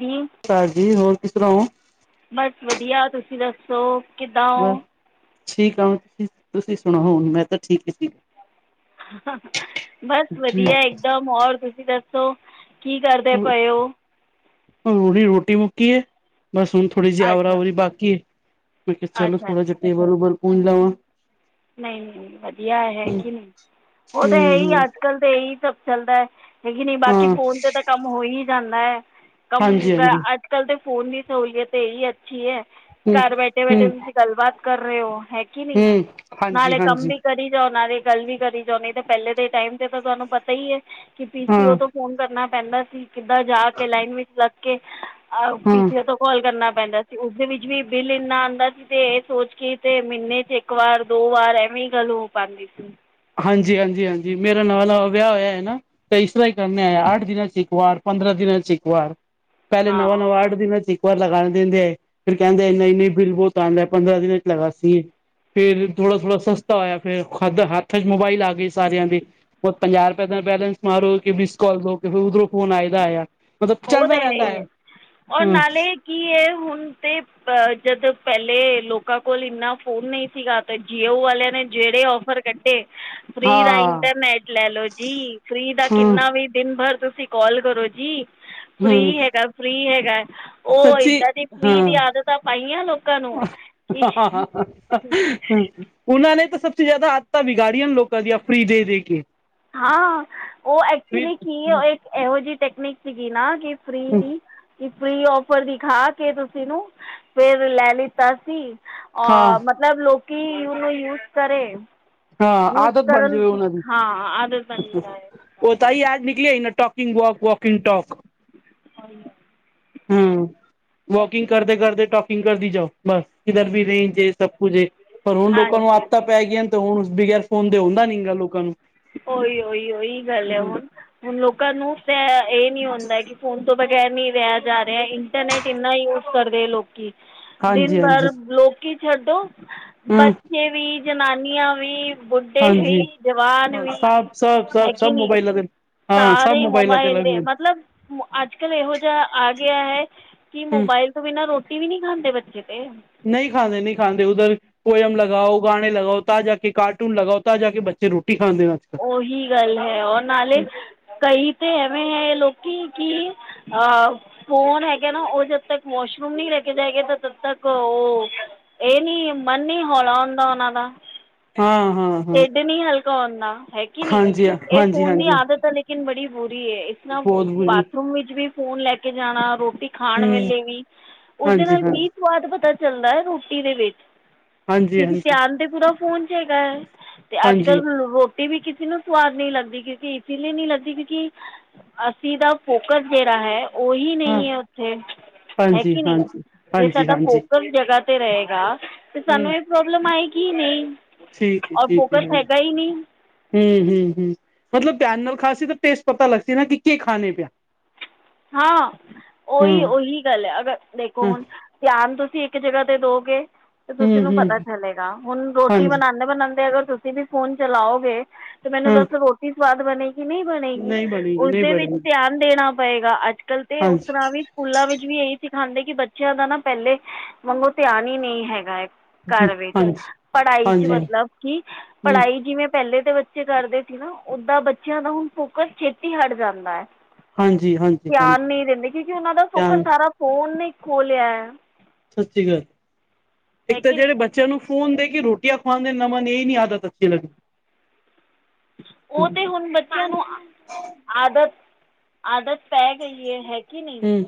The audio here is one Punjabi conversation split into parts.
ਜੀ ਭੈਨ ਜੀ ਹੋਰ ਕਿਸ ਤਰਾਂ ਓਂ। ਬਸ ਵਦੀਆ ਤੁਸੀਂ ਦੱਸੋ ਕਿੱਦਾਂ ਬਸ ਓਂ। ਠੀਕ ਆਂ ਤੁਸੀਂ ਤੁਸੀਂ ਸੁਨਾਓ ਹੁਨ ਮੈਂ ਤਾਂ ਠੀਕ ਏ ਠੀਕ ਆਂ। ਬਸ ਠੀਕ ਵਦੀਆ ਇਕਦਮ ਹੋਰ ਤੁਸੀਂ ਦੱਸੋ ਕੀ ਕਰਦੇ ਪਏ ਓਂ। ਰੋਜ਼ੀ ਰੋਟੀ ਮੁੱਕੀ ਐ ਬਸ ਹੁਨ ਥੋੜੀ ਜੀ ਆਵਾ ਅੱਛਾ ਜਾਵੀ ਬਾਕੀ ਏ ਮੈਂ ਕਿਆ ਚਲੋ ਅੱਛਾ ਥੋੜਾ ਅੱਛਾ ਜਾ ਟੇਬਲ ਟੁਬਲ ਪੂੰਜ ਲਵਾਂ। ਨਈਂ-ਨਈਂ ਵਦੀਆ ਹੈ ਹੂੰ ਕੇ ਨਈਂ ਓ ਤਾਂ ਹੈਈ ਹੂੰ ਅੱਜ-ਕੱਲ ਤਾਂ ਏਈ ਸਬ ਚੱਲਦਾ ਐ। ਹੈਗੀ ਨਈਂ ਬਾਕੀ ਹਾਂ ਫੋਨ ਤੇ ਤਾਂ ਕੰਮ ਹੋ ਈ ਜਾਂਦਾ ਐ, ਕੰਮ ਹਾਂਜੀ ਹਾਂਜੀ ਤਾਂ ਹੂੰ ਅੱਜ ਕੱਲ ਤੇ ਫੋਨ ਦੀ ਸਹੂਲੀਅਤ ਇਹੀ ਅੱਛੀ ਹੈ ਘਰ ਬੈਠੇ ਬੈਠੇ। ਗੱਲਬਾਤ ਕਰ ਰਹੇ ਹੋ ਹੈ। ਕਿ ਨਹੀਂ ਹਮ। ਨਾਲੇ ਕੰਮ ਵੀ ਕਰੀ ਜਾਓ ਨਾਲੇ ਗੱਲ ਵੀ ਕਰੀ ਜਾਣੀ ਤੇ ਪਹਿਲੇ ਦੇ ਟਾਈਮ ਤੇ ਤਾਂ ਤੁਹਾਨੂੰ ਪਤਾ ਹੀ ਹੈ। ਕਿ ਪੀ ਹਾਂ ਸੀ ਓ ਤੋਂ ਫੋਨ ਕਰਨਾ ਪੈਂਦਾ ਸੀ ਕਿੱਦਾਂ ਜਾ ਕੇ ਲਾਈਨ ਵਿੱਚ ਲੱਗ ਕੇ। ਆ ਹਾਂ ਪਜ ਤਾਂ। ਕਾਲ ਕਰਨਾ ਪੈਂਦਾ ਸੀ ਉਸਦੇ ਵਿੱਚ ਵੀ ਬਿੱਲ ਇੰਨਾ ਆਉਂਦਾ ਸੀ ਤੇ ਇਹ ਸੋਚ ਕੇ ਤੇ ਮਹੀਨੇ ਚੱ ਇੱਕ ਵਾਰ। ਦੋ ਵਾਰ ਐਵੇਂ ਹੀ ਗੱਲ ਹੋ ਪਾਉਂਦੀ ਸੀ। ਹਾਂਜੀ ਹਾਂਜੀ ਹਾਂਜੀ ਮੇਰਾ ਨਵਾਂ ਨਵਾਂ ਵਿਆਹ ਹੋਇਆ ਹੈ ਨਾ। ਤਾਂ ਇਸ ਤਰਾਂ ਹੀ ਕਰਨਾ ਹੈ। ਅੱਠ ਦਿਨਾਂ ਚ ਇੱਕ ਵਾਰ ਪੰਦਰਾਂ ਦਿਨਾਂ ਚ ਇੱਕ ਵਾਰ। ਪਹਿਲੇ ਨਵਾਂ ਹਾਂ ਨਵਾਂ ਅੱਠ ਦਿਨਾਂ ਤੇ ਇੱਕ ਵਾਰ ਲਗਾਉਣ ਦਿੰਦੇ ਆ ਫਿਰ ਕਹਿੰਦੇ ਇੰਨਾ ਇੰਨੀੇ ਬਿਲ ਬਹੁਤ। ਪੰਦਰਾਂ ਦਿਨ ਚੱ ਲੱਗਾ ਸੀ ਫਿਰ ਥੋੜਾ-ਥੋੜਾ ਸਸਤਾ ਹੋਇਆ ਫਿਰ ਖਾਦਾ ਹੈ। ਹੱਥਾਂ ਚੱ ਮੋਬਾਈਲ ਆ ਗਏ ਸਾਰਿਆਂ ਦੇ। ਪੰਜਾਹ ਰੁਪਏ ਦਾ ਬੈਲੈਂਸ ਮਾਰੋ ਕਿ ਮਿਸ ਕਾਲ ਦੋ ਕਿ ਫਿਰ ਉਧਰੋਂ ਫੋਨ ਆਏ ਦਾ ਆਇਆ। ਮਤਲੱਬ ਉਹ ਚਲਦਾ ਤਾਂ ਰਹਿੰਦਾ ਹੀ ਹੈ ਔਰ ਹਮ। ਨਾਲੇ ਕੀ ਇਹ ਹੁਣ ਤੇ। ਅ ਜਦ ਪਹਿਲੇ ਲੋਕਾਂ ਕੋਲ ਇੰਨਾ ਫੋਨ ਨਹੀਂ ਸੀਗਾ ਤੇ ਜੀਓ ਵਾਲਿਆਂ ਨੇ ਜਿਹੜੇ। ਕੱਢੇ ਫ੍ਰੀ ਦਾ ਹਾਂ, ਇੰਟਰਨੈਟ ਲੈ ਲੋ ਜੀ ਫ੍ਰੀ ਦਾ ਹੂੰ, ਕਿੰਨਾ ਵੀ। ਦਿਨ ਭਰ ਤੁਸੀਂ ਕਾਲ ਕਰੋ ਜੀ ਹੂੰ। ਫ੍ਰੀ ਹੈਗਾ ਫ੍ਰੀ ਹੈਗਾ। ਉਹ ਸੱਚੀ ਇਦਾਂ ਦੀ ਫ੍ਰੀ ਦੀ ਆਦਤਾਂ ਪਾਈਆਂ ਲੋਕਾਂ ਨੂੰ। ਕਿ ਹਾ ਹਾ ਹਾ। ਉਹਨਾਂ ਨੇ ਤਾਂ ਸਭ ਤੋਂ ਜ਼ਿਆਦਾ ਆਦਤਾਂ ਵਿਗਾੜੀਆਂ ਲੋਕਾਂ ਦੀਆਂ ਫ੍ਰੀ ਦੇ ਦੇ ਕੇ। ਹਾਂ ਉਹ ਐਕਚੁਲੀ ਕੀ ਉਹ ਇੱਕ ਇਹੋ ਜਿਹੀ ਟੈਕਨੀਕ ਸੀਗੀ ਨਾ ਕਿ। ਪ੍ਰੀਤੀ। ਫ੍ਰੀ ਔਫਰ ਦਿਖਾ ਕੇ ਤੁਸੀਂ ਨੂੰ ਫਿਰ ਲੈ ਲਿੱਤਾ ਸੀ ਅ। ਹਾਂ-ਹਾਂ ਮਤਲੱਬ ਲੋਕੀ ਉਹਨੂੰ ਯੂਜ ਕਰੇ। ਹਾਂ ਯੂਜ ਆਦਤ ਬਣ ਕਰਨ ਜਾਵੇ ਉਹਨਾਂ ਦੀ। ਹਾਂ ਆਦਤ ਬਣ ਜਾਏ ਉਹ ਤਾਂ ਹੀ ਆਜ ਨਿਕਲੀ ਨਾ ਟੋਕਿੰਗ ਵਕ ਵੋਕਿੰਗ ਟੋਕ। ਹਾਂ। ਹਮ ਵੋਕਿੰਗ ਕਰਦੇ ਕਰਦੇ ਟੋਕਿੰਗ ਕਰਦੀ ਜਾਓ ਬਸ ਇਧਰ ਵੀ ਰੇਂਜ ਦੇ। ਸਭ ਕੁੱਝ ਪਰ ਹੁਣ ਲੋਕਾਂ ਨੂੰ ਹਾਂਜੀ ਆਦਤਾਂ ਪੈ ਗਈਆਂ ਤੇ ਹੁਣ ਉਸ ਬਗੈਰ ਫੋਨ ਤੇ ਹੁੰਦਾ ਨਹੀਂ ਗਾ ਲੋਕਾਂ ਨੂੰ। ਉਹੀ ਉਹੀ ਉਹੀ ਗੱਲ ਹੈ ਹਮ ਹੁਣ। ਹੁਣ ਲੋਕਾਂ ਨੂੰ ਤੇ ਇਹ ਨੀ ਹੁੰਦਾ ਕਿ ਫੋਨ ਤੋਂ ਬਗੈਰ ਨੀ ਰਿਹਾ ਜਾ ਰਿਹਾ। ਇੰਟਰਨੈਟ ਇੰਨਾ ਯੂਜ ਕਰਦੇ ਆ ਲੋਕੀ। ਹਾਂਜੀ ਦਿਨ ਭਰ ਹਾਂਜੀ ਲੋਕ ਲੋਕੀ ਛੱਡੋ। ਹਮ ਬੱਚੇ ਵੀ ਜ਼ਨਾਨੀਆਂ ਵੀ ਬੁੱਢੇ ਵੀ ਜਵਾਨ ਵੀ। ਸਪ ਸਭ। ਸਭ ਹੈਗੇ ਸਭ ਨੀ ਮੋਬਾਈਲਾਂ ਦੇ ਹਾਂ ਸਭ ਸਾਰੇ ਮੋਬਾਈਲਾਂ ਤੇ ਮੋਬਾਇਲ ਲੱਗ ਦੇ ਮਤਲੱਬ। ਅੱਜ ਕੱਲ੍ਹ ਇਹੋ ਜਿਹਾ ਆ ਗਿਆ ਹੈ ਕਿ ਹਮ ਮੋਬਾਇਲ। ਬਿਨਾਂ ਰੋਟੀ ਵੀ ਨੀ ਖਾਂਦੇ ਬੱਚੇ ਤੇ। ਨਹੀਂ ਖਾਂਦੇ ਨਹੀਂ ਖਾਂਦੇ ਉੱਧਰ। ਪੋਇਮ ਲਗਾਓ ਗਾਣੇ ਲਗਾਓ ਤਾਂ ਜਾ ਕੇ ਕਾਰਟੂਨ ਲਗਾਓ ਤਾਂ ਜਾ ਕੇ ਬੱਚੇ ਰੋਟੀ ਖਾਂਦੇ ਅੱਜ ਕੱਲ। ਉਹੀ ਗੱਲ ਹੈ ਉਹ ਨਾਲੇ ਕਈ ਤੇ ਐਵੇਂ ਹੈ ਲੋਕੀ ਕੀ। ਆਹ। ਫੋਨ ਹੈਗਾ ਨਾ ਉਹ ਜਦ ਤੱਕ ਵਾਸ਼ਰੂਮ ਨਹੀਂ ਲੈ ਕੇ ਜਾਏਗਾ ਤਦ ਤੱਕ ਉਹ। ਇਹ ਨੀ ਮਨ ਹੀ ਹੌਲਾ ਹੁੰਦਾ ਉਹਨਾਂ ਦਾ। ਹਾਂ- ਹਾਂ। ਹਾਂ ਢਿੱਡ ਨੀ ਹਲਕਾ ਹੁੰਦਾ ਹੈ ਕੀ ਨੀ ਹਾਂਜੀ ਇਹ ਹਾਂਜੀ ਫੋਨ ਦੀ ਹਾਂਜੀ ਆਦਤ ਆ, ਲੇਕੀਨ ਬੜੀ ਬੁਰੀ ਹੈ ਇਸ ਤਰਾਂ ਬਹੁਤ ਬੁਰੀ ਬਾਥਰੂਮ ਵਿੱਚ ਵੀ ਫੋਨ ਲੈ ਕੇ ਜਾਣਾ, ਰੋਟੀ- ਖਾਣ ਹਮ ਵੇਲੇ ਵੀ ਉਸਦੇ ਹਾਂਜੀ ਨਾਲ ਕੀ ਹਾਂਜੀ ਸਵਾਦ ਪਤਾ ਚੱਲਦਾ ਹੈ ਰੋਟੀ ਦੇ ਵਿੱਚ। ਹਾਂਜੀ ਕਿਉਂਕਿ ਹਾਂਜੀ ਧਿਆਨ ਤੇ ਪੂਰਾ ਫੋਨ ਚ ਹੈਗਾ ਹੈ, ਤੇ ਅੱਜ ਹਾਂਜੀ ਕੱਲ ਰਟੀ ਵੀ ਕਿਸੇ ਨੂੰ ਸਵਾਦ ਨੀ ਲੱਗਦੀ ਕਿਉਂਕਿ ਇਸ ਲਈ ਨੀ ਲੱਦੀ ਕਿਉਂਕਿ, ਅਸੀਂ ਦਾ ਫੋਕਸ ਜਿਹੜਾ ਹੈ, ਉਹੀ ਹਾਂ ਨਹੀਂ ਹੈ ਉੱਥੇ ਹੈ ਹਾਂਜੀ ਕੀ ਨੀ, ਹਾਂਜੀ ਜੇ ਹਾਂਜੀ ਸਾਡਾ ਹਾਂਜੀ ਫੋਕਸ ਜਗਾ ਤੇ ਰਹੇਗਾ ਤੇ ਸਾਨੂੰ ਹਮ ਇਹ ਪ੍ਰੋਬਲਮ ਆਏਗੀ ਹੀ ਨਹੀਂ। ਠੀਕ ਹੈ- ਔਰ ਠੀਕ ਹੈ ਫੋਕਸ ਹਾਂਜੀ। ਹੈਗਾ ਹੀ ਨਹੀਂ ਹੂੰ-ਹੂੰ, ਹੂੰ ਮਤਲਬ ਧਿਆਨ ਨਾਲ ਖਾਸੀ ਤਾਂ ਟੇਸਟ ਪਤਾ ਲੱਗ ਸੀ ਨਾ ਕਿ, ਕੀ ਖਾਣੇ ਪਿਆ। ਹਾਂ ਉਹੀ- ਹਮ ਉਹੀ ਗੱਲ ਹੈ ਅਗਰ ਦੇਖੋ ਹ ਹੁਨ- ਧਿਆਨ ਤੁਸੀਂ ਇੱਕ ਜਗਾ ਤੇ ਦੋਗੇ, ਤੇ ਤੁਸੀਂ ਨੂੰ ਹਮ ਹਮ ਪਤਾ ਚਲੇਗਾ ਹੁਣ ਰੋਟੀ ਹਾਂਜੀ ਬਣਾਂਦੇ- ਬਣਾਂਦੇ ਅਗਰ ਤੁਸੀਂ ਵੀ ਫੋਨ ਚਲਾਓਗੇ, ਤੇ ਮੈਨੂੰ ਹਾਂ ਦੱਸੋ ਰੋਟੀ ਸਵਾਦ ਬਣੇਗੀ ਨਹੀਂ ਬਣੇਗੀ ਨਹੀਂ ਬਣੇਗੀ ਨਹੀਂ ਉਸਦੇ ਵਿੱਚ ਬਣੇਗੀ ਧਿਆਨ, ਦੇਣਾ ਪਏਗਾ ਅੱਜ ਕੱਲ ਤੇ ਉਸ ਹਾਂਜੀ ਤਰਾਂ ਵੀ, ਸਕੂਲਾਂ ਵਿੱਚ ਵੀ ਇਹੀ ਸਿਖਾਉਂਦੇ ਕਿ ਬੱਚਿਆਂ ਦਾ ਨਾ ਪਹਿਲੇ ਵਾਂਗੋ ਧਿਆਨ ਹੀ ਨਹੀਂ ਹੈਗਾ ਹੈ। ਘਰ ਵਿੱਚ ਹਾਂਜੀ ਪੜਾਈ ਚ ਹਾਂਜੀ ਮਤਲਬ ਕਿ ਹਮ ਪੜਾਈ ਜਿਵੇਂ, ਪਹਿਲੇ ਤੇ ਬੱਚੇ ਕਰਦੇ ਸੀ ਨਾ ਓਦਾਂ ਬੱਚਿਆਂ ਦਾ ਹੁਣ ਫੋਕਸ ਛੇਤੀ ਹਟ ਜਾਂਦਾ ਹੈ। ਹਾਂਜੀ- ਹਾਂਜੀ। ਧਿਆਨ ਹਾਂਜੀ ਨਹੀਂ ਦਿੰਦੇ, ਕਿਉਂਕਿ ਉਹਨਾਂ ਦਾ ਫੋਕਸ ਧਿਆਨ ਸਾਰਾ ਫੋਨ ਨੇ ਖੋ ਲਿਆ ਹੈ। ਸਤਿ ਸ਼੍ਰੀ ਅਕਾਲ, ਹੈ ਇੱਕ ਤਾਂ ਕਿ ਜਿਹੜੇ ਨਹੀਂ ਬੱਚੇ- ਬੱਚਿਆਂ ਨੂੰ ਫੋਨ ਦੇ ਕੇ ਰੋਟੀਆਂ ਖਵਾਉਣ ਦੇ ਨਾ ਮਨ ਇਹ ਨੀ ਆਦਤ ਅਛੀ ਲਗ- ਉਹ ਤੇ ਹੁਣ ਬੱਚਿਆਂ ਨੂੰ ਆਦਤ- ਆਦਤ ਪੈ ਗਈ ਹੈ ਹੈਗੀ। ਕੀ ਨਹੀਂ ਹਮ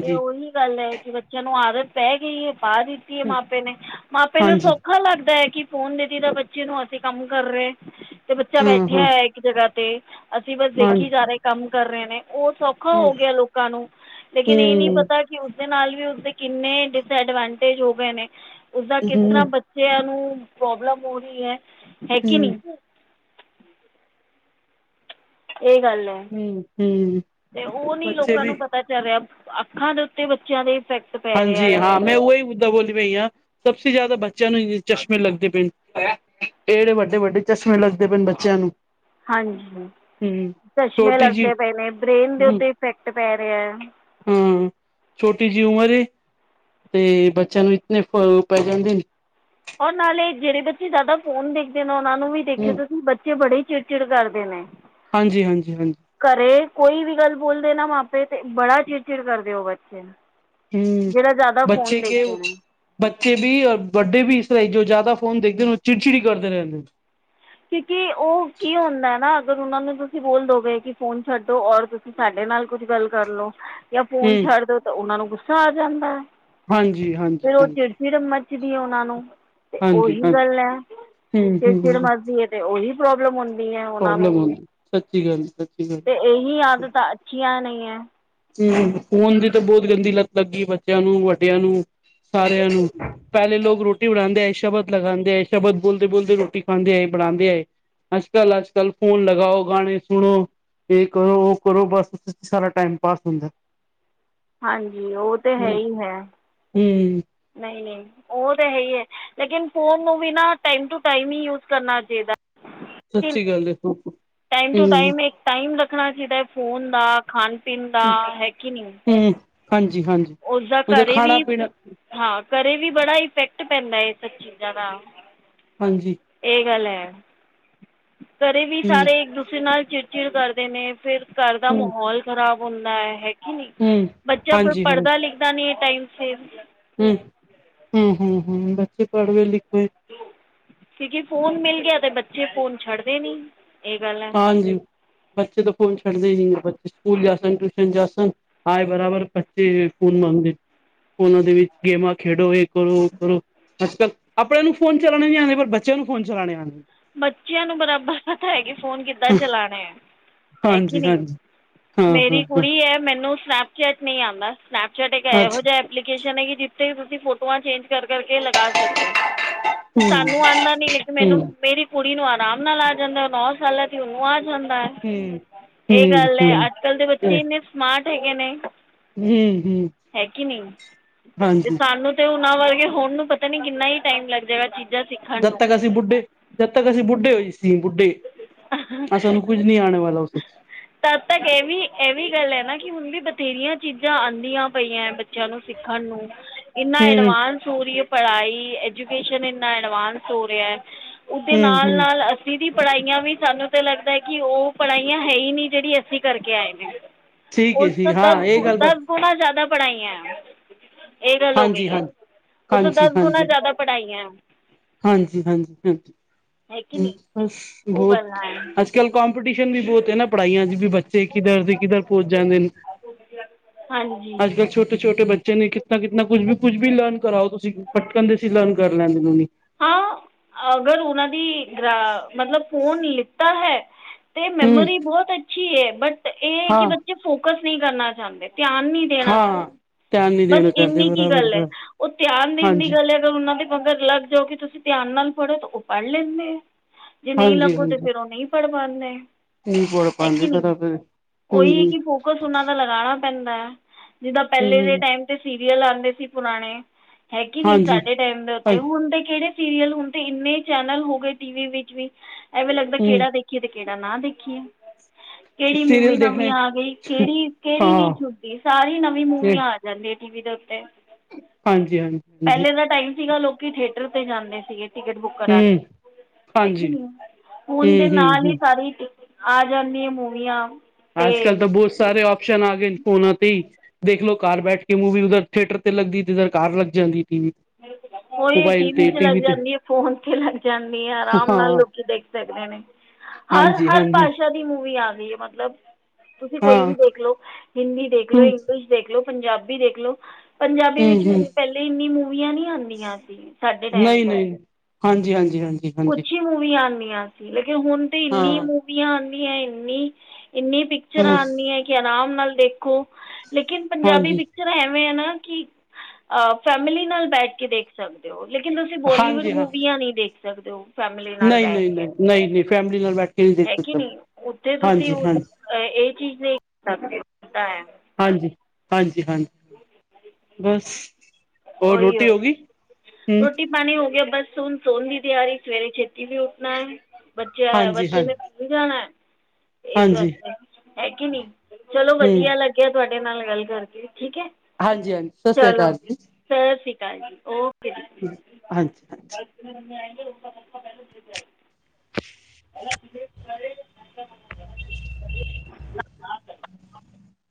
ਤੇ ਉਹੀ ਗੱਲ ਹੈ ਕਿ ਬੱਚਿਆਂ ਨੂੰ ਆਦਤ ਪੈ ਗਈ ਹੈ ਬਾਅਦ ਚ, ਕੀ ਮਾਪੇ ਨੇ, ਮਾਪੇ ਨੂੰ ਹਾਂਜੀ ਸੌਖਾ ਲੱਗਦਾ ਹੈ ਕਿ ਫੋਨ ਦੇਤੀ ਤਾਂ ਬੱਚੇ ਨੂੰ ਅਸੀਂ ਕੰਮ ਕਰ ਰਹੇ। ਤੇ ਬੱਚਾ ਹਾਂ ਬੈਠਿਆ ਹਾਂ ਐ ਇੱਕ ਜਗਾ ਤੇ ਅਸੀਂ ਬਸ ਦੇਖੀ ਹਾਂਜੀ ਜਾ ਰਹੇ ਕੰਮ ਕਰ ਰਹੇ ਨੇ ਉਹ ਸਭ, ਸੋਖਾ ਹੂੰ ਹੋ ਗਿਆ ਲੋਕਾਂ ਨੂੰ ਲੇਕਿਨ ਇਹ ਨੀ ਪਤਾ ਕੀ ਉਸਦੇ ਨਾਲ ਵੀ ਉਸਦੇ ਕਿੰਨੇ ਡਿਸਐਡਵਾਂਟੇਜ ਹੋ ਗਏ ਨੇ, ਉਸਦਾ ਕਿਸ ਤਰਾਂ ਹੂੰ ਬੱਚਿਆਂ ਨੂੰ ਪ੍ਰੋਬਲਮ ਹੋ ਰਹੀ ਹੈ ਹੈ ਕੀ ਹੂੰ ਨੀ। ਓ ਗੱਲ ਹੈ ਹੂੰ ਹੂੰ ਤੇ ਉਹ ਨੀ ਬੱਚੇ ਲੋਕਾਂ ਵੀ ਨੂੰ ਪਤਾ, ਪਤਾ ਚੱਲ ਰਿਹਾ, ਅੱਖਾਂ ਦੇ ਉੱਤੇ ਬੱਚਿਆਂ ਦੇ ਇਫੈਕਟ ਪੈ ਰਿਹਾ ਹਾਂਜੀ ਹੈ ਹਾਂ ਮੈਂ ਉਹੀ ਮੁੱਦਾ ਬੋਲੀ ਪਈ ਹਾਂ ਸਭ ਸੇ ਜ਼ਿਆਦਾ ਬੱਚਿਆਂ ਨੂੰ ਇ ਚਸ਼ਮੇ ਲੱਗਦੇ ਪਏ। ਇਹੜੇ ਵੱਡੇ- ਵੱਡੇ ਚਸ਼ਮੇ ਲੱਗਦੇ ਪਏ ਨ ਬੱਚਿਆਂ ਨੂੰ। ਹਾਂਜੀ ਹੂੰ ਚਸ਼ਮੇ ਛੋਟੀ ਜੀ ਲੱਗਦੇ ਪਏ ਨੇ ਬ੍ਰੇਨ ਦੇ ਉੱਤੇ ਇਫੈਕਟ ਪੈ ਰਿਹਾ। ਹੂੰ ਛੋਟੀ ਜਿਹੀ ਉਮਰ ਏ ਤੇ ਬੱਚਿਆਂ ਨੂੰ ਇਤੇ ਫ ਪੈ ਜਾਂਦੇ ਨੇ। ਔਰ ਨਾਲੇ ਜਿਹੜੇ ਬੱਚੇ ਜ਼ਿਆਦਾ ਫੋਨ ਦੇਖਦੇ ਨੇ ਉਹਨਾਂ ਨੂੰ ਵੀ ਦੇਖਿਓ ਹੂੰ ਤੁਸੀਂ ਬ- ਬੱਚੇ ਬੜੇ ਚਿੜ- ਚਿੜ ਕਰਦੇ ਨੇ। ਹਾਂਜੀ- ਹਾਂਜੀ, ਹਾਂਜੀ। ਘਰੇ ਕੋਈ ਵੀ ਗੱਲ ਬੋਲਦੇ ਨਾ ਮਾਪੇ ਤੇ ਬੜਾ ਚਿੜ- ਚਿੜ ਕਰਦੇ ਉਹ ਬੱਚੇ ਨਾ। ਹੂੰ ਜਿਹੜਾ ਜ਼ਿਆਦਾ ਫੋਨ ਬੱਚੇ ਦੇਖ ਕੇ ਦੇ ਨੇ। ਬੱਚੇ ਵੀ ਔਰ ਵੱਡੇ ਵੀ ਇਸ ਤਰਾਂ ਹੀ ਜੋ ਜ਼ਿਆਦਾ ਫੋਨ ਦੇਖਦੇ ਉਹ ਚਿੜ-ਚਿੜੀ ਈ ਕਰਦੇ ਰਹਦੇ। ਕਿਉਂਕਿ ਉਹ ਕੀ ਹੁੰਦਾ ਨਾ ਅਗਰ ਉਹਨਾਂ ਨੂੰ ਤੁਸੀਂ ਬੋਲ ਦੋਗੇ ਕਿ ਫੋਨ ਛੱਡੋ ਔਰ ਤੁਸੀਂ। ਸਾਡੇ ਨਾਲ ਕੁੱਝ ਗੱਲ ਕਰਲੋ ਜਾਂ ਫੋਨ ਹੂੰ ਛੱਡ ਦੋ ਤਾਂ ਉਹਨਾਂ ਨੂੰ ਗੁੱਸਾ ਆ ਜਾਂਦਾ ਹੈ। ਹਾਂਜੀ- ਹਾਂਜੀ ਹਾਂਜੀ- ਫਿਰ ਮੱਚਦੀ ਹੈ ਉਹਨਾਂ ਨੂੰ, ਤੇ ਹਾਂਜੀ ਉਹੀ ਹਾਂਜੀ ਗੱਲ ਹੈ, ਹੂੰ ਤੇ ਫਿਰ ਮ ਹੂੰ ਏ ਤੇ, ਉਹੀ ਪ੍ਰੋਬਲਮ ਹੋਣੀ ਪ੍ਰੋਬਲਮ ਹੁੰਦੀ, ਸੱਚੀ ਗੱਲ -ਸੱਚੀ ਗੱਲ ਅਤੇ ਇਹੀ ਆਦਤਾ ਅੱਛੀੀਆਂ ਨਈ ਐ ਜੀ ਫੋਨ ਦੀ ਤਾਂ ਬਹੁਤ ਗੰਦੀ ਲੱਤ ਲੱਗੀ, ਬੱਚਿਆਂ ਨੂੰ ਵੱ, ਡਿਆਂ ਨੂੰ, ਸਾਰਿਆਂ ਨੂੰ ਪਹਿਲੇ ਲੋਕ ਰੋਟੀ ਬਣਾਦੇ ਏ ਸ਼ਬਦ ਲਗਾਦੇ ਏ ਸ਼ਬਦ ਬੋਲਦੇ- ਬੋਲਦੇ ਰੋਟੀ ਪਾਦੇ ਏ ਬਣਾਉਂਦੇ ਹੈਏ ਅੱਜ -ਕੱਲ ਅੱਜ -ਕੱਲ ਫੋਨ ਲਗਾਓ ਗਾਣੇ ਸੁਣੋ ਇਹ ਕਰੋ, ਉਹ ਕਰੋ, ਬਸ ਸਾਰਾ ਟਾਈਮ ਪਾਸ ਹੁੰਦਾ ਹਾਂਜੀ, ਉਹ ਤੇ ਹੈ ਹੀ ਹੈ ਹੇ ਈ ਨਹੀ- ਨਈ ਉਹ ਤਾਂ ਹੈ ਈ ਹੈ, ਲੇਕਿਨ ਫੋਨ ਨੂੰ ਵੀ ਨਾ ਟਾਈਮ, ਟੂ ਟਾਈਮ ਈ ਯੂਜ ਕਰਨਾ ਚਾਹੀਦਾ ਕਿ ਸੱਚੀ ਨਹੀਂ ਗੱਲ ਏ, ਬ ਕੁ ਟਾਈਮ ਟੂ ਟਾਈਮ ਇੱਕ ਟਾਈਮ ਰੱਖਣਾ ਚਾਹੀਦਾ, ਫੋਨ ਦਾ, ਖਾਣ ਪੀਣ ਦਾ, ਹੈ ਕਿ ਨਈ ਹੂੰ ਹਾਂਜੀ -ਹਾਂਜੀ ਉਦੋ ਖਾਣਾ ਵੀ ਪੀਣਾ ਹਾਂ, ਘਰੇ ਵੀ ਬੜਾ ਇਫੈਕਟ ਪੈਂਦਾ ਏ, ਸਭ ਚੀਜ਼ਾਂ ਦਾ ਹਾਂਜੀ। ਏ ਗੱਲ ਐ ਘਰੇ ਵੀ ਹੂੰ ਸਾਰੇ, ਇੱਕ ਦੂਸਰੇ ਨਾਲ ਚਿੜ -ਚਿੜ ਕਰਦੇ ਨੇ, ਫਿਰ ਘਰ ਦਾ ਹੂੰ ਮਾਹੌਲ ਖ਼ਰਾਬ ਹੁੰਦਾ ਹੈ ਕਿ ਨਹੀ, ਹੂੰ ਬੱਚਾ ਹਾਂਜੀ ਪੜ੍ਹਦਾ -ਲਿਖਦਾ ਨਈ ਟਾਈਮ ਸਿਰ ਹਮ -ਹਮ ਹਮ- ਹਮ, ਬੱਚੇ ਪੜ੍ਹਦੇ -ਲਿਖਦੇ ਤੇ ਜੇ ਫੋਨ ਮਿਲ ਗਿਆ ਤੇ, ਬੱਚੇ ਫੋਨ ਛੱਡਦੇ ਨਈ ਹਾਂਜੀ, ਬੱਚੇ ਤੇ ਫੋਨ ਛੱਡਦੇ ਨਈ ਬੱਚੇ ਸਕੂਲ ਜਾ ਸੰਣ ਟਿਊਸ਼ਨ ਜਾ ਸੰਣ ਹਾਏ ਬਰਾਬਰ ਪੱਚੀ ਪੁਣ ਆਦੀ ਫੋਨਾਂ ਦੇ ਵਿੱਚ, ਗੇਮਾਂ ਖੇਡੋ, ਇਹ ਕਰੋ ਉਹ ਕਰੋ ਅੱਜ- ਕੱਲ ਆਪਣੇਿਆਂ ਨੂੰ ਫੋਨ ਚਲਾਉਣੇ ਨਈ ਆਣੇ, ਪਰ ਬੱਚਿਆਂ ਨੂੰ ਫੋਨ ਚਲਾਣੇ ਆਣੇ ਬੱਚਿਆਂ ਨੂੰ ਬਰਾਬਰ ਪਤਾ ਹੈ ਕਿ, ਫੋਨ ਕਿੱਦਾਂ ਚਲਾਣੇ ਆਂ ਹੈ ਕੀ ਨਈ, ਹਾਂਜੀ-ਹਾਂਜੀ ਮੇਰੀ ਹਾਂ-ਹਾਂ-ਹਾਂ ਕੁੜੀ ਕੇ ਐ ਮੈਨੂੰ ਸਨੈਪਚੈਟ ਨਹੀਂ ਆਦਾ, ਸਨੈਪਚੈਟ ਇੱਕ ਇਹੋ ਅੱਛਾ ਜਿਹਾ ਐ ਲੀਕੇਸ਼ਨ ਹੈਗੀ, ਜਿੱਥੇ ਵੀ ਤੁਸੀਂ ਫੋਟੋਆਂ ਚੇਂ ਕਰ -ਕਰ ਕੇ ਲਗਾ ਸਕਦੇ ਨੇ, ਸਾਨੂੰ ਹੂੰ-ਹੂੰ-ਹੂੰ-ਹੂੰ ਆਂਦਾ ਨਈ ਮੈਨੂੰ ਮੇਰੀ ਕੁੜੀ ਨੂੰ, ਆਰਾਮ ਨਾਲ ਆ ਜਾਂਦਾ, ਬਾਰਾਂ ਸਾਲਾਂ ਦੀ ਉਹਨੂੰ ਆ ਜਾਂਦਾ ਇਹ ਗੱਲ ਏ, ਅੱਜ- ਕੱਲ ਦੇ ਐ ਬੱਚੇ ਇੰਨੇ ਸਮਾਰਟ ਹੈਗੇ ਨੇ ਹੂੰ-ਹੂੰ ਹੈ ਕੀ ਨਹੀਂ, ਤੇ ਹਾਂਜੀ ਪਾ ਲੋਂ ਤੇ, ਉਹਨਾਂ ਵਰਗੇ ਹੋਣ ਨੂੰ, ਪਤਾ ਨੀ ਕਿੰਨਾ ਹੀ ਟਾਈਮ ਲੱਗ ਜਾਏਗਾ ਜੇ ਤੱਦ ਤਕ, ਅਸੀਂ ਬੁੱਢੇ ਜਦ ਤੱਕ ਅਸੀਂ, ਬੁੱਢੇ ਹੋਏ ਸੀ। ਬੁੱਢੀ, ਤਾ ਸਾਨੂੰ ਕੁੱਝ ਨੀ ਆਣੇ ਵਾਲਾ ਉਸ ਚ ਤਦ ਤੱਕ ਇਹ ਵੀ ਇਹ ਵੀ, ਗੱਲ ਹੈ ਨਾ ਕਿ ਹੁਣ ਵੀ ਬਥੇਰੀਆਂ ਚੀਜ਼ਾਂ ਆਦੀਆਂ ਪਈਆਂ ਚਲੋ ਸਿੱਖਣ ਨੂੰ ਇੰਨਾ ਐਡਵਾਂਸ ਹੋ ਰਹੀ ਈ ਪੜ੍ਹਾਈ, ਐਜੂਕੇਸ਼ਨ ਇੰਨਾ ਐਡਵਾਂਸ ਹੋ ਰਿਹਾ ਉਹਦੇ, ਨਾਲ- ਹੂੰ-ਹੂੰ-ਹੂੰ ਨਾਲ ਅ ਦੀਦੀ ਪੜ੍ਹਾਈਆਂ ਵੀ ਸਾਨੂੰ ਤੇ ਲੱਗਦਾ ਹੈ ਕਿ, ਉਹ ਪੜ੍ਹਾਈਆਂ ਹੈ ਹੀ ਨਈ, ਜਿਹੜੀ ਅਸੀਂ ਕਰਕੇ ਆਏ ਆ ਠੀਕ ਹੁਣ ਹੈ ਠੀਕ ਤਾ, ਦਸ ਹਾਂ ਇਹ ਗੱਲ ਬ -ਦਸ ਗੁਣਾਾਂ ਜ਼ਿਆਦਾ ਪੜ੍ਹਾਈਆਂ ਏ ਗੱਲ ਹੋ ਹਾਂਜੀ ਗਈ ਹੈ, ਹਾਂਜੀ ਉਸ ਤੋਂ ਹਾਂਜੀ ਦਸ ਗੁਣਾ ਹਾਂਜੀ ਜ਼ਿਆਦਾ ਪੜ੍ਹਾਈਆ ਹਾਂਜੀ ਹਾਂਜੀ ਹਾਂਜੀ ਹੈ ਕਿ ਹੂ ਨਹੀਂ ਬਸ ਉਹ ਬਹੁਤ ਗੱਲਾਂ ਹੈ ਅਛਾ ਕੱਲ੍ਹ ਕਪੀਟੀਸ਼ਨ ਵੀ ਬਹੁਤ ਹੈ ਨਾ ਪੜ੍ਹਾਈਆਂ ਚੋਂ ਵੀ ਬੱਚੇ ਕਿੱਧਰ ਦੇ ਕਿੱਧਰ ਪੁੱਜ ਜਾਂਦੇ ਨੇ ਅੱਜ ਹਾਂਜੀ ਕੱਲ ਛੋਟੇ ਛੋਟੇ ਬੱਚੇ ਨੇ ਕਿਥ ਤਾ ਕਿਤਨਾ ਕੁੱਝ ਵੀ ਲਰਨ ਕਰਾਓ ਤੁਸੀਂ ਫਟਕਣ ਦੇ ਸੀ ਲਰਨ ਕਰ ਲੈਂਦੇ ਨੇ ਉਨੂੰ ਹਾਂ, ਅਗਰ ਉਹਨਾਂ ਦੀ ਰਾ ਮਤਲਬ ਫੋਨ ਲਿੱਤਾ ਹੈ ਤੇ ਹਮ ਮੈਮੋਰੀ ਬਹੁਤ ਅੱਛੀ ਹੈ, ਬਟ ਇਹ ਕਿ ਹਾਂ ਬੱਚੇ ਫੋਕਸ ਨਹੀਂ ਕਰਨਾ ਚਾਹਦੇ ਧਿਆਨ ਨਹੀਂ ਦੇਣਾ ਹਾਂ ਚਾਹਦੇ, ਧਿਆਨ ਨਹੀਂ ਬਸ ਦੇਣਾ ਚਾਹੁੰਦੇ ਇੰਨੀ ਕੀ ਬਰਾਬਰ ਗੱਲ ਹੈ, ਬਰ ਉਹ ਧਿਆਨ ਦੇਣ ਦੀ ਹਾਂਜੀ ਗੱਲ ਹੈ ਤੋ ਉਹਨਾਂ ਦੇ ਮਗਰ ਲੱਗ ਜਾਓ ਕਿ ਤੁਸੀਂ ਧਿਆਨ ਨਾਲ ਪੜ੍ਹੋ ਤਾਂ ਉਹ ਪੜ੍ਹ ਲੈਂਦੇ ਆ ਜੇ ਨਈ ਹਾਂਜੀ ਲੱਗੋ ਤੇ ਹਾਂਜੀ ਫੇਰ ਉਹ ਨਹੀਂ ਪੜ ਪਾਦੇ ਨਹੀਂ ਪੜ ਹੈ ਪਾਉਂਦੇ ਕਿ ਨਹੀਂ ਬਰਾਬਰ ਹਮ ਉਹੀ ਹੈ ਹਮ ਕਿ ਫੋਕਸ ਉਹਨਾ ਦਾ ਲਗਾਣਾ ਪੈਂਦਾ ਐ, ਜਿੱਦਾਂ ਪਹਿਲੇ ਹਮ ਦੇ ਹਮ ਟਾਈਮ ਤੇ ਸੀਰੀਅਲ ਆਦੇ ਸੀ ਪੁਰਾਣੇ, ਹੈਗੇ ਕੀ ਨੀ ਹਾਂਜੀ ਸਾਡੇ ਟਾਈਮ ਦੇ ਉੱਤੇ, ਹੁਣ ਤੇ ਕਿਹੜੇ ਸੀਰੀਅਲ, ਹੁਣ ਤੇ ਇੰਨੇ ਚੈਨਲ ਹੋ ਗਏ ਟੀਵੀ ਵਿੱਚ ਵੀ। ਐ ਵੀ ਲੱਗਦਾ, ਹਮ ਕਿਹੜਾ ਦੇਖੀਏ ਤੇ ਕਿਹੜਾ ਨਾ ਦੇਖੀਏ। ਕਿਹੜੀ ਮੂਵੀ ਸੀਰੀਅਲ ਨਵੀਂ ਦੇਖਣੇ ਆ ਗਈ, ਕਿਹੜੀ ਕਿਹੜੀ ਨੀ ਹਾਂ ਛੂਟੀ, ਸਾਰੀ ਨਵੀਂ ਮੂਵੀ ਤੇ ਆ ਗ ਜਾਂਦੀ ਐ, ਟੀ ਵੀ ਦੇ ਉੱਤੇ, ਹਾਂਜੀ ਹਾਂਜੀ ਹਾਂਜੀ ਪਹਿਲੇ ਦਾ ਟਾਈਮ ਸੀਗਾ ਲੋ ਕੀ ਥਿਏਟਰ ਤੇ ਜਾਂਦੇ ਸੀਗੇ। ਟਿਕਟ ਬੁੱਕ ਕਰਾਨ, ਹੂੰ ਹੈ ਕੇ ਹਾਂਜੀ ਨੀ, ਹੁਣ ਤੇ ਹੂੰ ਹੂੰ ਨਾਲ ਹੀ ਹੂੰ ਸਾਰੀ ਟਿ ਆ ਜਾਂਦੀ ਆ ਮੂਵੀਆਂ। ਅੱਜ ਕੱਲ ਅਤੇ ਤਾਂ ਬਹੁਤ ਸਾਰੇ ਆਪਸ਼ਨ ਆ ਗਏ ਨੇ ਫੋਨਾਂ ਤੇ ਹੀ। ਦੇਖਲੋ ਘਰ ਬੈਠ ਕੇ ਮੂਵੀ ਉਧਰ ਥੀਏਟਰ ਤੇ ਲੱਗਦੀ ਤੇ, ਇਧਰ ਘਰ ਲੱਗ ਜਾਂਦੀ। ਨਿਲਤ [inaudible] ਉਹੀ ਟੀ ਮੋਬਾਇਲ ਵੀ ਤੇ 'ਚ ਟੀਵੀ ਲੱਗ ਤੇ ਜਾਂਦੀ ਐ, ਫੋਨ ਤੇ ਲੱਗ ਜਾਂਦੀ ਆ, ਆਰਾਮ ਨਾਲ ਹਾਂ ਲੋਕੀ ਦੇਖ ਸਕਦੇ ਨੇ। ਹਰ ਹਾਂਜੀ ਹਰ ਹਾਂਜੀ। ਭਾਸ਼ਾ ਦੀ ਮੂਵੀ ਆ ਗਈ ਐ, ਮਤਲਬ ਤੁਸੀਂ ਹਾਂ ਕੋਈ ਵੀ ਦੇਖਲੋ ਹਿੰਦੀ ਦੇਖ ਲਓ ਹੂੰ ਇੰਗਲਿਸ਼ ਦੇਖਲੋ ਪੰਜਾਬੀ ਦੇਖਲੋ, ਪੰਜਾਬੀ ਹੂੰ ਵਿੱਚ ਹੂੰ ਵੀ ਪਹਿਲੇ ਇੰਨੀ ਮੂਵੀਆਂ ਨੀ ਆਂਦੀ ਆਂਦੀਆਂ ਸੀ ਸਾਡੇ ਟਾਈਮ ਨਹੀਂ ਤੇ ਨਹੀਂ ਹਾਂਜੀ ਹਾਂਜੀ ਹਾਂਜੀ ਕੁਛ ਹਾਂਜੀ ਮੂਵੀਆਂ ਆਦੀਆਂ ਸੀ, ਲੇਕਿਨ ਹੁਣ ਤੇ ਹਾਂ ਇੰਨੀ ਮੂਵੀਆਂ ਆਦੀਆਂ ਇੰਨੀ ਇੰਨੀ ਹੂੰ ਪਿਕਚਰਾਂ ਆਦੀਆਂ ਐ, ਕਿ ਆਰਾਮ ਨਾਲ ਦੇਖੋਂ ਲੇਕਿਨ ਪੰਜਾਬੀ ਹਾਂਜੀ ਪਿ ਜ਼ਰਾ ਐਵੇਂ ਐ ਨਾ ਕਿ ਫੈਮਿਲੀ ਨਾਲ ਬੈਠ ਕੇ ਦੇਖ ਸਕਦੇ ਹੋ, ਲੇਕਿਨ ਤੁਸੀਂ ਬਲੀਵੁੱਡ ਹਾਂਜੀ ਹਾਂ ਮੂਵੀਆਂ ਨੀ ਦੇਖ ਸਕਦੇ ਹੋ। ਫੈਮਿਲੀ ਨਾਲ ਨਹੀਂ ਬੈਠ ਨਹੀਂ ਕੇ, ਨਹੀਂ ਨਹੀਂ ਨਹੀਂ ਫੈਮਿਲੀ ਨਾਲ ਬੈਠ ਨਹੀਂ ਦੇਖ ਹੈਗੀ ਕੇ ਸਕਦਾ ਨਈ ਉੱਥੇ ਤੁਸੀਂ ਹਾਂਜੀ ਹਾਂਜੀ ਇਹ ਚੀਜ਼ ਨਹੀਂ ਕਰ ਸਕਦੇ, ਏ ਤਾਂ ਹੈ ਹਾਂਜੀ ਹਾਂਜੀ ਹਾਂਜੀ। ਬਸ ਹੋਰ ਉਹੀ ਰੋਟੀ ਉਹੀ ਹੋ ਗਈ ਹੂੰ। ਰੋਟੀ ਪਾਣੀ ਹੋ ਗਿਆ, ਬਸ ਸੋਨ ਸੋਨ ਦੀ ਤਿਆਰੀ, ਸਵੇਰੇ ਛੇਤੀ ਵੀ ਉੱਠਣਾ ਐ ਬੱਚੇ ਹਾਂਜੀ-ਹਾਂਜੀ, ਬੱਚੇ ਹਾਂਜੀ, ਨੇ ਜਾਣਾ, ਇਸ ਹਾਂਜੀ ਵਾਸਤੇ ਹੈ ਕਿ ਨੀ, ਚਲੋਂ ਵਧੀਆ ਹੂੰ, ਲੱ ਗੀਆ ਤੁਹਾਡੇ ਨਾਲ ਗੱਲ ਕਰਕੇ, ਠੀਕ ਐ। ਹਾਂਜੀ ਹਾਂਜੀ, ਸਤਿ ਸ੍ਰੀ ਅਕਾਲ ਜੀ। ਸਤਿ ਸ਼੍ਰੀ ਅਕਾਲ ਜੀ ਓ ਹਾਂਜੀ ਹਾਂਜੀ। ੇ ਆਏਂ ਪਪਾ ਪਹਿ ਲ ਜਾਏਗਾ [inaudible]